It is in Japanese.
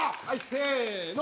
せの！